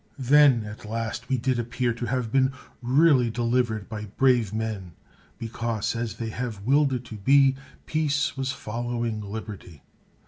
Then, at last, we did appear to have been really delivered by brave men, because, as they had willed it to be, peace was following liberty.